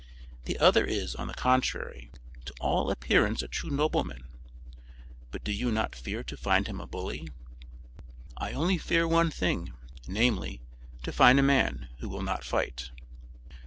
The other is, on the contrary, to all appearance a true nobleman; but do you not fear to find him a bully?" "I only fear one thing; namely, to find a man who will not fight."